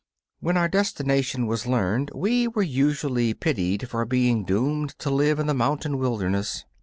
When our destination was learned we were usually pitied for being doomed to live in the mountain wilderness.